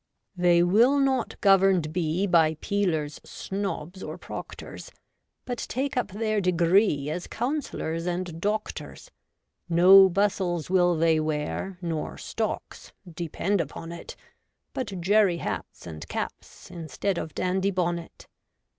They will not governed be By peelers, snobs, or proctors, But take up their degree As councillors and doctors. No bustles will they wear. Nor stocks, depend upon it ; But jerry hats and caps Instead of dandy bonnet.